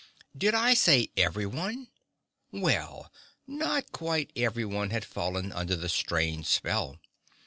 Did I say everyone? Well, not quite everyone had fallen under the strange spell.